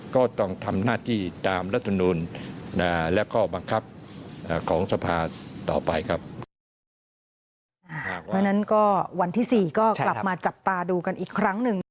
ก็ต้องทำหน้าที่ตามรัฐมนูลและข้อบังคับของสภาต่อไปครับ